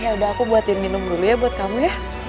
ya udah aku buatin minum dulu ya buat kamu ya